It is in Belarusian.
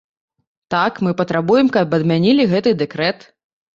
Так, мы патрабуем, каб адмянілі гэты дэкрэт.